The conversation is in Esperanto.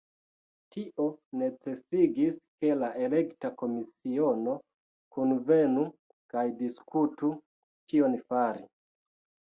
Tio necesigis, ke la elekta komisiono kunvenu kaj diskutu kion fari.